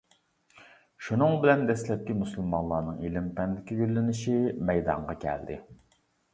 شۇنىڭ بىلەن دەسلەپكى مۇسۇلمانلارنىڭ ئىلىم-پەندىكى گۈللىنىشى مەيدانغا كەلدى.